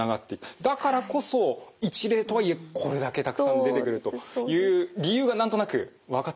だからこそ一例とはいえこれだけたくさん出てくるという理由が何となく分かってきました。